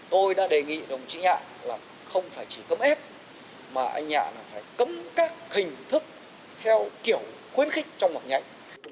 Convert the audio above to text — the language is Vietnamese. tôi đã đề nghị đồng chí nhạc là không phải chỉ cấm ép mà anh nhạc là phải cấm các hình thức theo kiểu khuyến khích trong mặt nhạy